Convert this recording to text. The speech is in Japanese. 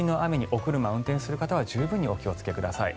お車を運転する方は十分お気をつけください。